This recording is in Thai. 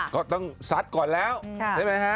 ก็ต้องซัดก่อนแล้วใช่ไหมฮะ